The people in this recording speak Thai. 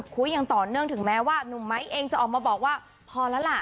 คุยอย่างต่อเนื่องถึงแม้ว่าหนุ่มไม้เองจะออกมาบอกว่าพอแล้วล่ะ